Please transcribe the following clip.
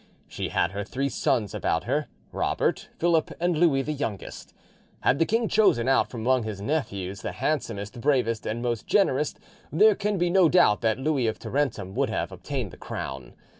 She had her three sons about her—Robert, Philip, and Louis, the youngest. Had the king chosen out from among his nephews the handsomest, bravest, and most generous, there can be no doubt that Louis of Tarentum would have obtained the crown.